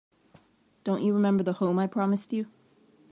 Don't you remember the home I promised you?